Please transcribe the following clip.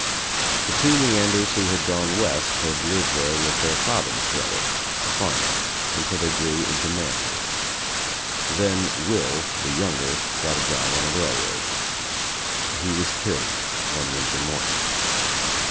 The two Leanders who had gone west had lived there with their father's brother, a farmer, until they grew Into manhood. Then Will, the younger, got a job on a railroad. He was killed one winter morning.